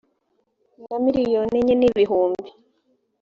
na miliyoni enye n ibihumbi